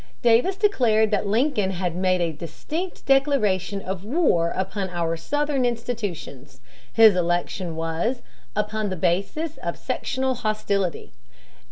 Davis declared that Lincoln had "made a distinct declaration of war upon our (Southern) institutions." His election was "upon the basis of sectional hostility."